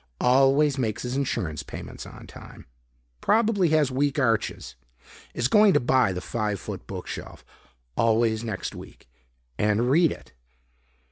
"Always makes his insurance payments on time.... Probably has weak arches.... Is going to buy the Five Foot book shelf, always next week, and read it....